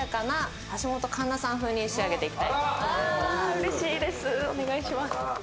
うれしいです、お願いします